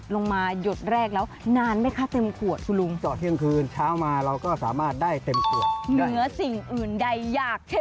และข้างหลังนี้ไม่ผ่าย